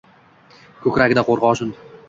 Ko’kragida qo’rg’oshin.